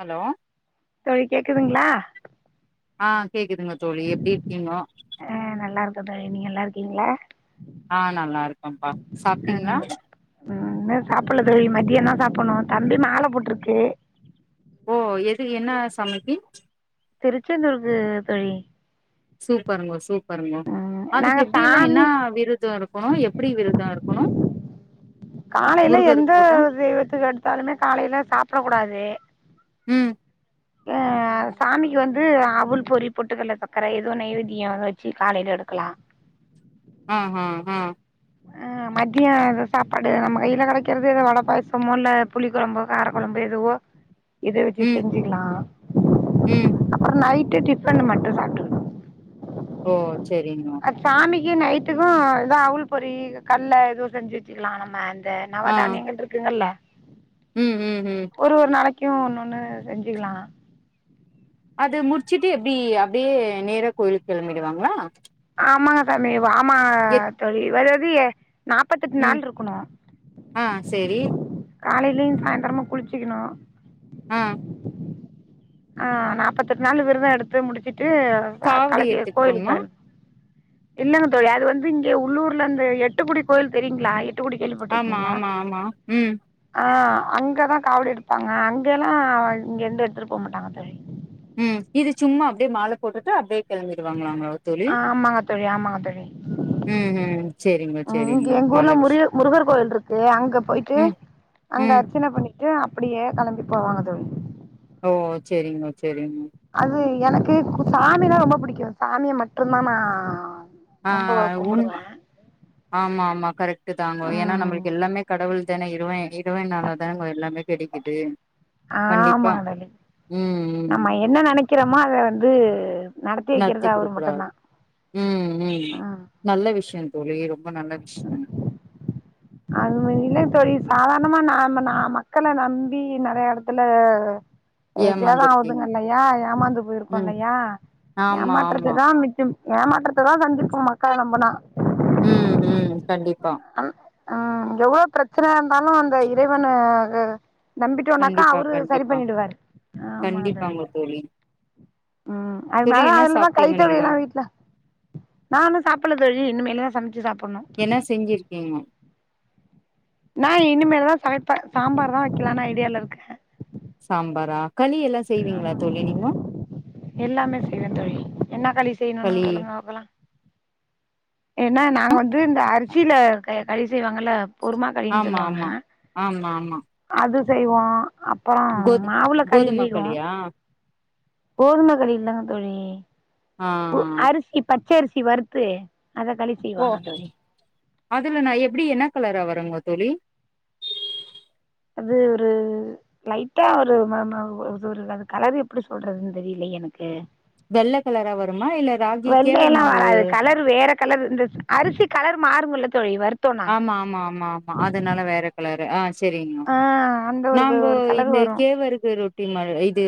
Hello தோழி கேக்குதுங்ளா ஆ கேக்குதுங்க தோழி எப்டி இருக்கீங்கோ ஆ நல்லா இருக்க தோழி, நீங்க நல்லா இருக்கீங்ளா ஆ நல்லா இருக்கப்பா ஆ சாப்ட்டீங்ளா ம் இன்னு சாப்புட்ல தோழி மதியம்தா சாப்புட்ணு தம்பி மாலை போட்ருக்கு ஓ எது என்ன சாமிக்கு? திருச்செந்தூர்க்கு தோழி, சூப்பருங்கோ சூப்பருங்கோ ம் அதுக்கு நாங்க எப்டியெல்லா என்ன சாமி விரத இருக்கணு எ ப்படி விரத இருக்கணு காலையில எந்த முருகருக்கு போட்டா தெய்வத்துக்கு எடுத்தாலுமே காலையில சாப்ட கூடாது. ம் ஆ அது சாமிக்கு வந்து அவுள் பொரி பொட்டுக்கல்ல சக்கர ஏதோ நெய்வேத்தியம் வெச்சு காலையில எடுக்கலா ஆ அ ஆ ஆ மதிய சாப்பாடு நம்ம கையில கடைக்கறது எதோ வட பாயசமோ இல்ல புளி கொழம்போ கார கொழம்பு எதுவோ இத வெச்சு ம் செஞ்சிக்கலா ம் அப்பறோ நைட்டு டிபன் மட்டு சாப்டு ஓ செரிங்மா சாமிக்கி நைட்டுக்கு எதா அவுள் பொறி கல்ல எதுவு செஞ்சி வெச்சுக்கலா நம்ம அந்த ஆ நவதானியங்கள் இருக்குங்கல்ல ம் ம் ம் ஒரு ஒரு நாளைக்கு ஒன்னொன்னு செஞ்சிக்கலா அது முடிச்சிட்டு எப்டி அப்டியே நேர கோயிலுக்கு கெளம்பிடுவாங்களா ஆமாங்க சாமி வா ஆமா எத் தோழி வேறதிய நாப்பத்தெட்டு ம் நாள் இருக்கணு ஆ செரி காலையிலயு சாயந்திரமு குளிச்சிக்கணு ம் ஆ நாப்பத்தெட்டு நாள் விருதோ எடுத்து முடிச்சிட்டு காவடி களக்கி எடுத்துட்டு கோயிலுக்கு போணுமா கெளம் இல்லங்க தோழி அது வந்து இங்க உள்ளூர்ல அந்த எட்டுக்குடி கோயில் தெரியுங்களா எட்டுக்குடி கேள்வி ஆமா பட்டிருக்கீங்களா ஆமா ஆமா ம் ஆ அங்கதா காவடி எடுப்பாங்க அங்கல்லா இங்க இருந்த எடுத்துட்டு போ மாட்டாங்க தோழி ம் இது சும்மா அப்டியே மால போட்டுட்டு அப்டியே கெளம்பிருவாங்களாலாங்லா தோழி ஆ ஆமாங்க தோழி ஆமாங்க தோழி ம் ம் சேரிங்க ம் இங்க சேரிங்க எங்க நல்ல ஊர்ல விஷ் முருக முருகர் கோவில்ருக்கு அங்க போயிட்டு ம் அங்க ம் அர்ச்சன பண்ணிட்டு அப்டியே கிளம்பி போவாங்க தோழி ஓ செரிங்க செரிங்க அது எனக்கு சாமினா ரொம்ப புடிக்கு சாமிய மட்டுதா நா ஆ ரொம்போ உண்ம கும்புடுவே ஆமா ஆமா கரெக்ட் தாங்கோ ஏன்னா ம் நம்மளுக்கு எல்லாமே கடவுள் தானே இறவே இற் இறைவனல தானுங்கோ எல்லாமே கெடைக்குது கண்டிப்பா ஆமாங்க தோழி ம் ம் நம்ம என்ன நெனைக்கிறோமோ அத வந்து நடத்தி வெக்கிறது அவரு மட்டும்தா ம் ம் நல்ல விஷயோ தோழி ரொம்ப நல்ல விஷயம் அது நம்ம இல்லைங் தோழி சாதாரணமா நாம நா மக்கள நம்பி நறைய எடத்துல எ சேதோ ஏமாந்துருக்கீங்க ஆவுதுங்கல்லையா ஏமாந்து போயிருக்கோ ம் இல்லையா ஆமா ஏமாற்றத்த ஆமா தா மிச்சம் ஏமாற்றத்த தா சந்திப்போம் மக்கள நம்புனா ம் ம் கண்டிப்பா அன் ஆ எவ்ளோ பிரச்சன இருந்தாலு அந்த இறைவன க நம்பிட்டோனாகா கண்டிப்பா அவரு சரி கண்டிப்பா பண்ணிடுவாரு கண்டிப்பாங்க தோழி அது தோழி மேல என்ன அதுல தா கை சாப்ட்டீங்க நீங்கோ கழுவிட்றா வீட்ல நானு சாப்புட்ல தோழி இன்மேலு தா சமச்சி சாப்புட்னு என்ன செஞ்சிருக்கீங்க நா இனிமேலு தா சமைப்ப சாம்பார் தா வெக்கலான்னு ஐடியால இருக்க சாம்பாரா களி எல்லா செய்வீங்ளா ஆமா தோழி நீங்க எல்லாமே செய்வே தோழி என்ன களி செய்ணுன்னு சொல்லுங்க பாக்கலா ஏன்னா நாங்க வந்து இந்த அரிசில க களி செய்வாங்கல்ல பொறுமா களின்னு ஆமா சொல்வாங்க ஆமா ஆமா ஆமா அது செய்வோ அப்பரோம் கோது மாவுல களி கோதும செய்வோம் களியா கோதும களி இல்லங்க தோழி ஆ பு அரிசிப் பச்சரிசி வறுத்து அத களிப் ஓ அதுல நா எப்டி என்ன கலரா வருங்க தோழி அது ஒரு லைட்டா ஒரு ம ம ஒரு அது கலரு எப்டி சொல்றதுன் தெரிலயே எனக்கு வெள்ள கலரா வருமா இல்ல ராகி கேவரு வெள்ளையெல்லா மாவு வராது கலர் வேற கலர் இந்த அரிசி கலரு மாறுமில்ல தோழி வறுத் ஆமா ஆமா ஆமா ஆமா அதனால வேற கலரு ஆ செரிங்மா ஆ அந்த ஒரு நாங்கோ ஒரு கலர் இந்த வரு கேவருக்கு ரொட் ட்டிம இது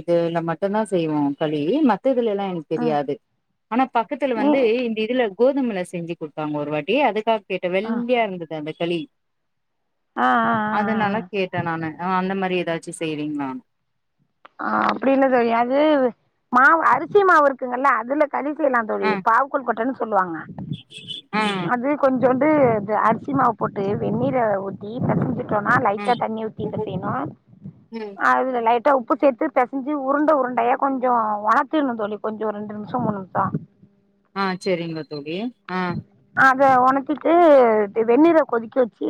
இதுல மட்டும் தான் செய்வோம் கலி மத் த்துதலலாம் எனக் ஆ தெரியாது ஆனா பக்கதுல நீ வந்து இந்த இதுல கோதுமல செஞ்சு குடுத்தாங்க ஒரு வாட்டி அதுக்காக கேட்ட ஆ வெள்ளயா இருந்தது அந்த களி ஆ ஆஆ அதனால கேட்டன் நானு அந்த மாரி ஏதாச்சு செய்றீங்ளானு ஆ அப்டின் தெரியாது மாவு அரிசி மாவு இருக்குங்கல்ல அதுல களி செய்லாம் தோழி பாவு கொழுகட்டனு சொல்லுவாங்க ம் இது கொஞ்சோண்டு இது அரிசி மாவு போட்டு வெந்நீர ஊத்தி பெசஞ்சி டோனா ஆ லைட்டா தண்ணி ஊத்தி பெசயனு ம் அதுல லைட் உப்பு சேர்த்து பெசஞ்சி உருண்ட உருண்டயா கொஞ்ஜோம் ஒனர்த்திர்ன்ணு தோழி கொஞ்ஜோம் ஒரு ரெண்டு நிம்ஷம் மூண் நிம்ஷம் அ செரிங்க தோழி அ அத ஒனதிட்டு வெந்நீர கொதிக்க வெச்சி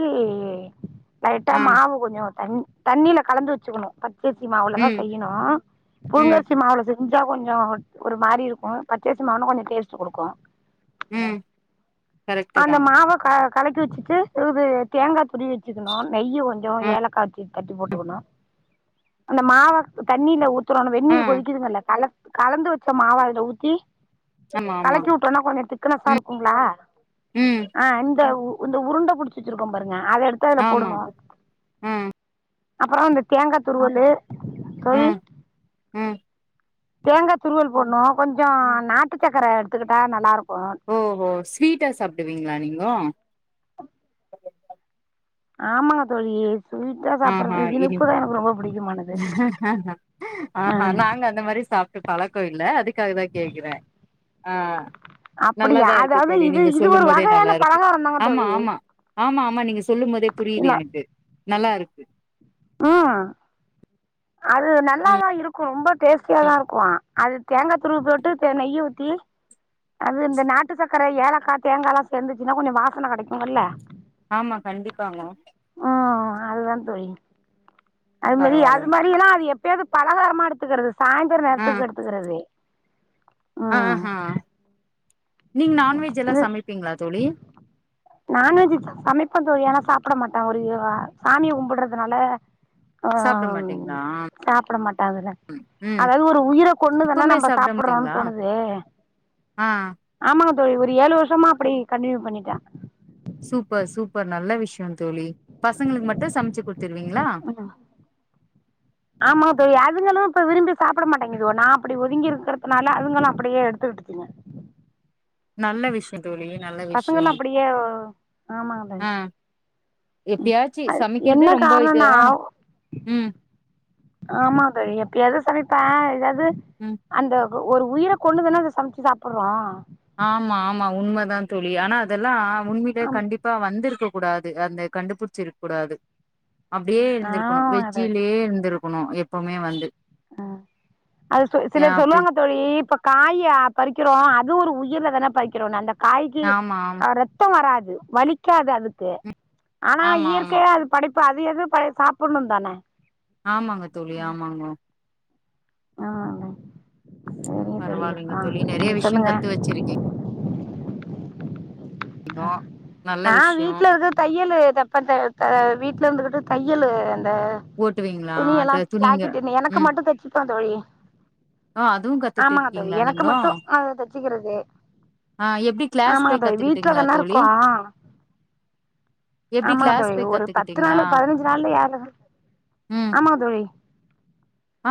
லைட்டா ஆ மாவு கொஞ்ஜோம் தண் தண்ணில கலந்து வச்சுக்கணும் த பச்சரிமாவுல தான் ம் செய்யணும் ம் புலுங்கரிசி மாவுல செஞ்சா கொஞ்ஜோம் ஒரு மாரி இருக்கும் பச்சரிசி மாவுனா கொஞ்ஜோம் டேஸ்ட் கொடுக்கும் ம் கரெக்ட்டு தா அந்த மாவ க கலக்கி வச்சிட்டு இது தேங்காய் துருவி வச்சுகணும் நெய் கொஞ்சம் ஆ ஏலக்காய் வச்சு தட்டி போட்டுகணும் அந்த மாவ தண்ணில ஊத் அப்ரோம் அந்த ஆ வெந்நீர் கொதிகிதுங்கல்ல கலந்து வச்ச மாவ அதுல ஊத்தி ஆமா ஆமா கலக்கி உட் டோனா கொஞ்ஜோம் திக்னசா இருக் குங்ளா ம் ஆ இந்த இந்த உருண்ட புடிச்வச்சிருக்கோம் பாருங்க அத எடுத்து த்து அதுல ஆமா போடணும் ஆ அப்பறோம் அந்த தேங்கா துருவலு தோழி ம் தேங்கா துருவல் போடணோ கொஞ்ஜோம் நாட்டு சக்கர எடுத்துக்கிட்டா நலா இருக்கும் ஓஹோ ஸ்வீட்டா சாப்பிடுவீங்களா நீங்கோ ஆமாங்க தோழி ஸ்வீட்டா ஆஹா சாப்றது இனி இனிப்புதான் எனக் ரொம்ப புடிக்குமானது ஆஹா நாங்க அந்த மாரி சாப்ட்டு பழக்கொ இல்ல அதுக்குதான் கேக்ற ஆ அப்படியா நல்லாதான் இருக்கு அதாவது தோழி இது நீங்க இது சொல்லு ஒரு மோதே நல்லா வகையான இருக்கு பலகாரம் தாங்க ஆமா. தோழி ஆமா. ஆமா ஆமா நீங்க சொல்லு மோதே புரியுது இல்ல எனக்கு நல்லா இருக்கு. ம் அது நல்லாதான் இருக்கும் ரொம்போ டேஸ்ட்டியாதான் இருக்கும் அது தேங்காய்துருவி போட்டு நெய் ஊத்தி அது இந்த நாட்டு சர்க்கர, ஏலக்கா, தேங்கால்லாம் சேர்ந்துச்சுன்னா கொஞ்ஜோ வாசன கிடைக்கும்ல்ல ஆமா கண்டிப்பாங்க. ஹோ அதுதா தோழி அது மாரி பரவாயில்லைங்க அதுமாரி எல்லா அது எப்பயாவது பலகாரமா எடுத்துக்கிறது சாயந்தர ஆ நேரத்துக்கு எட் துக்கிறது ஆ ஹ நீங்க நான்வெஜ் எல்லா இது சமைப்பீங்களா தோழி நான்வெஜ் சமைப்ப தோழி ஆனா சாப்பிட மாட்டா ஒரு இதுவா சாமிய கும்பட்றதுனால ஆ சாப்ட ஹ மாட்டீங்களா ம் சாப்பட மாட்டாஅதுல ம் அதாவது ஒரு உயிர கொண்ணு தானே எப்பவுமே நம்ம சாப்ட சாப்ட்றோம்ன்னு மாட்டீங்களா தோணுது ஆ ஆமாங்க தோழி ஒரு ஏழு வருஷமா அப்படி கண்டினியூ பண்ணிட்ட சூப்பர் சூப்பர் நல்ல விஷ்யோ தோழி பசங்களுக்கு மட்டு சமைச்சு குடுத்துருவீங்களா ஆமா தோழி அதுங்களு இப்ப விரும்பி சாப்பட மாட்டேங்குதுக நா அப்படி ஒதுங்கி இருக்கறதுனால அதுங்களு அப்படியே எடுத்து விட்டுச்சுங்க நல்ல விஷ்யோ தோழி நல்ல விஷ்யோ பசங்கள்லா அப்படியே ஆமாங்க ஹ தோழி எப்பயாச்சு அது சமைக்கிறது என்ன ரொம்ப காரணம்னா இதுவா ம் ஆமா தோழி எப்பயாது சமைப்பே ஏதாவது ம் அந்த ஒரு உயிர கொண்ணு தான அதை சமைச்சு சாப்புற்றோ ஆமா ஆமா உண்மைதா தோழி ஆனா அதெல்லா உண்மையிலே ஆம் கண்டிப் பா வந்திருக்க கூடாது அந்த கண்டுபிடிச்சு இருக் கூடாது அப்டியே இருந்திருக்கணு ஆமாங்க தோழி வெஜ்ஜிலயே இருந்திருக்கணு எப்பமே வந்து ஆ அது ஏ சிலர் அப்டி சொல்லுவாங்க தோழி இப்ப காய பறிக்கறோ அது ஒரு உயிர்ல தான பறிக்கறோ அந்த காய்க்கு ஆமா ஆமா அ ரத்தோ வராது வலிக்காது அதுக்கு ஆனா ஆமா ஆமா இயற்கையா அது படிப்பா அது எதுவு பய சாப்பட்ணு தான ஆமாங்க தோழி‌ ஆமாங்கோ ஆமாங்க சரிங்க தோழி அ நீங்க சொல்லுங்க செரிக்கை நல்ல நா விஷயோ வீட்ல இருக்க தையலு தப்ப த த வீட்டல இருந்துகிட்டு தையலு அந்த ஓட்டுவீங்களா துணி எல்லா அத துணிங்க ஜாக்கெட்டு என்னய எனக்கு ம் மட்டு தெச்சுப்ப தோழி ஆ அதுவு கத்துட்டு ஆமாங்க தோழி இருக்கீங்களா எனக்கு நீங்கோ மட்டு அத தெச்சுக்கிறது ஆ எப்டி கிளாஸ் போய் கத்துக்கிட்டு வீட்டல தான இருக்கோ எப்டி ஆமாங்க கிளாஸ் தோழி போய் ஒரு பத்து கத்துக்கிட்டீங்களா நாள் பதினஞ்சு நாள்ல யாரு ம் ஆமாங்க தோழி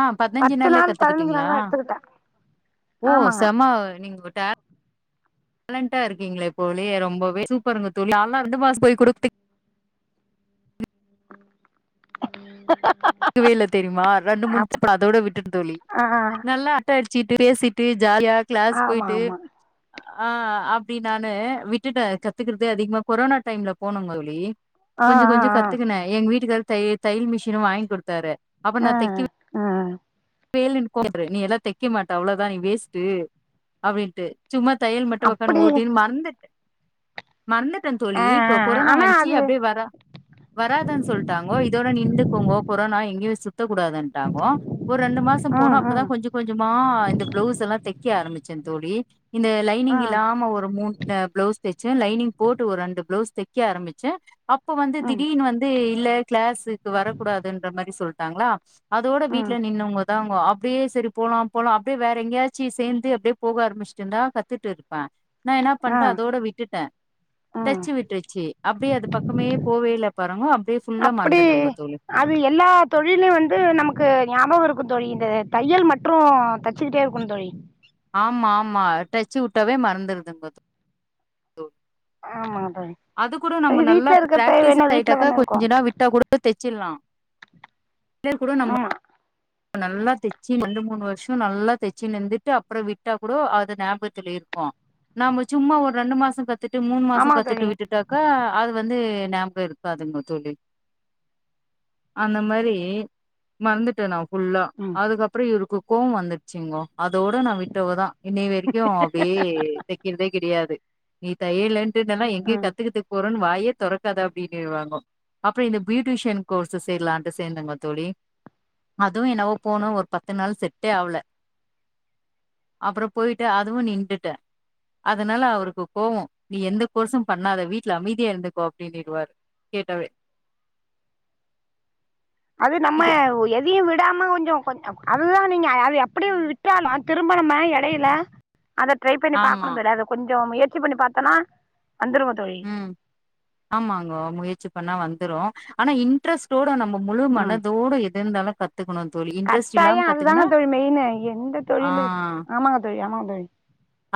ஆ பதினஞ்சு பத்து நாள்லே நாள் பதினஞ்சு நாள் கத்துக்கிட்டீங்களா தா எடுத்துக்கிட்டே ஓ ஆமாங்க செம்மா நீங்க ட்டே டேலண்டா இருக்கீங்களே போலயே ரொம்பவே சூப்பருங்க தோழி நல்லா ரெண்டு மாசோ போயி கூட ஹஹாஹா துக்கவே இல்ல தெரியுமா ரெண்டு மூணு தெப்ப அதோ விட்டுட்ட தோழி ஆ நல்லா அரட்ட அடிச்சுட்டு பேசிட்டு ஜாலியா கிளாஸ் ஆமா போயிட்டு ஆமா ஆ அப்டி நானு விட்டுட்ட கத்துக்கறதே அதிகமா கொரோனா டைம்ல போனோ ங்க தோழி ஆ கொஞ்சோ ஆ கொஞ்சோ கத்துக்கனே எங்க வீட்டுக்காரு த தையல் மிஷினும் வாங்கி குடுத்தாரு ஆ ஆ வேலன்னு போற நீ எல்லா தெக்க மாட்ட அவ்ளோதா நீ வேஸ்ட்டு அப்டின்ட்டு சும்மா தையல் மட்டு வொக்கான்னு அப்படி ஓட்டினு மறந்து மறந்துட்ட தோழி ஆ இப்போ ஆ கொரோனா ஆனா வன்ச்சு அது அப்டியே வரா வராததுன்னு சொல்ட்டாங்கோ இதோட நின்றுக்கங்கோ கொரோனா எங்கேயே சுத்தக் கூடாதுன்ட்டாங்க வுட்டாங்கோ ஒரு ரெண்டு மாசோ ம் போனா அப்பதா ம் கொஞ்ச கொஞ்சமா இந்த பிளவுஸ் எல்லா தெக்க ஆரம்பிச்சே தோழி இந்த லைனிங் ம் இல்லாம ஒரு மூணு பிளவுஸ் தெச்ச லைனிங் போட்டு ஒரு ரெண்டு பிளவுஸ் தெக் க்க ஆரம்பிச்சே அப்ப வந்து ம் திடீனு வந்து இல்ல கிளாஸுக்கு வரக்கூடாதுன்ற மாதிரி சொல்லிட்டாங்களா அதோட ம் வீட்ல நின்னோவுங்க விட்டாங்கோ அப்டியே சேரி போலா போலா அப்டியே வேற எங்கேயாச்சு சேந்து அப்டியே போக ஆரம்பிச்சிட்டு இர்ந்தா கத்துட்டு இருப்பே நா என்ன ஆ பண்ட்டே அதோட விட்டுட்டே ம் டச்சு விட்டுருச்சு அப்டியே அது பக்கமே போவே இல்ல பாருங்கோ அப்டியே ஃபுல்லா அப்படி மறந்துட்டோங்க தோழி அது எல்லா தொழிலு வந்து நமக்கு ஞாபகோ இருக்கோ தோழி இந்த தையல் மற்றோ தச் சுகிட்டே இருக்கனோ தோழி ஆமா ஆமா டச்சு வுட்டாவே மறந்துடுதுங்க தோழி ஆமாங்க தோழி அது கூட நம்ம நல்லா வீட்ல இருக்கப்ப பிராக்டிஸ் வேணா வீட்ல ஆயிட்டாக்கா தான இருக்கோ கொஞ்சனா விட்டா கூட தெச்சிட்லா பிள்ளய கூட நம்ப ஆமா நல்லா தெச்சி ரெண்டு மூணு வர்ஷோ நல்லா தெச்சி நின்னுட்டு அப்புறோ விட்டா கூட அது ஞாபகத்துல இருக்கோ நாம சும்மா ஒரு ரெண்டு மாசோ கத்துட்டு மூணு மாசோ ஆமா தோழி கத்துட்டு விட்டுட் டாக்கா அது வந்து ஞாபகோ இருக்காதுங்க தோழி அந்த மாரி மறந்துட்டே நா ஃபுல்லா ம் அதுக்கப் அப்புறோ இருக்கு கோவோ வந்துடுச்சிங்கோ அதோட நா விட்டவதா இன்ன வரைக்கோ அப்புடியே தெக்கிறதே கெடையாது நீ தையலன்ட்டு நின்ன எங்கே கத்துக்கறதுக்கு போறோன்னு வாயே தெறக்காதா அப்டீன்னுவாங்கோ அப்புறோ இந்த பியூட்டிஷியன் கோர்ஸு சேர்லா சேர்ந்தங்கோ தோழி அதுவு என்னவோ போனோ ஒரு பத்து நாள் செட்டே ஆவுல அப்புறம் போயிட்டு அதுவு நின்டுட்டே அதனால அவுருக்கு கோவோ நீ எந்த கோர்ஸ்சு பண்ணாத வீட்ல அமைதியா இருந்துக்கோ அப்டீன்னிடுவாரு கேட்டாவே அது நம்ம எதையு விடாம கொஞ்சோ கொஞ்சம் அதுதா நீங்க ஆ அது அப்புடியே வி ட்டாலோ திருமணமாய் எடையில அத ட்ரை பண்ணி ஆமா பாக்கணோ தோழி அதா கொஞ்சோ முயற்சி பண்ணி பாத்தோனா வந்துருவோ தோழி ம் ஆமாங்கோ முயற்சி பண்ணா வந்துரோ ஆனா இன்ட்ரெஸ்ட் டோட நம்ம முழு ம் மனதோட எத இருந்தாலு கத்துக்கணோ தோழி இன்ட்ரெஸ்ட் கட்டாயோ இல்லாம அதுதாங்க கத்துக்குனா தோழி மெயினு எந்த ஆ தொழிலு ஆமாங்க தோழி ஆமாங்க தோழி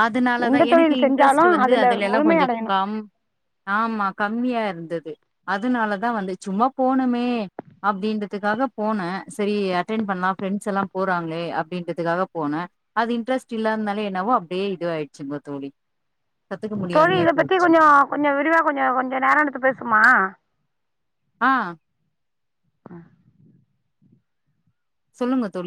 அதுனாலதா எந்த எனக்கு தொழில் செஞ்சாலு இன்ட்ரெஸ்ட் வந்து அதுல அதுலலா முழுமை கொஞ்சோ அடையணு கம் ஆமா கம்மியா இருந்தது அதனாலதா வந்து சும்மா போணுமே அப்டீன்றுதுக்காக போனே செரி அட்டென் பண்லா ஃப்ரெண்ட்ஸ் எல்லா போறாங்களே அப்டீனுறதுக்காக போனே அது இன்டரெஸ்ட் இல்லதுனாலே என்னாவோ அப்டியே இதுவாயிச்சுங்க தோழி கத்துக்க தோழி முடியாமயே இத பத்தி போயிடுச்சு கொஞ்சோ கொஞ்சோ விரிவா கொஞ்சோ கொஞ்சோ நேரோ எடுத்து பேசுவுமா ஆ ஆ சொல்லுங்க தோழி